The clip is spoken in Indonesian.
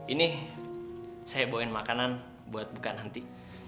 ini saya hebohin makanan buat buka nanti